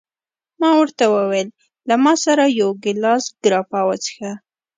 ما ورته وویل: له ما سره یو ګیلاس ګراپا وڅښه.